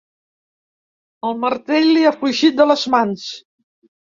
El martell li ha fugit de les mans.